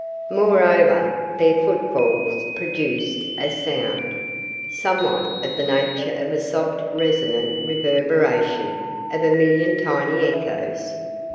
Moreover their footfalls produced a sound, somewhat of the nature of a soft resonant reverberation of a million tiny echoes.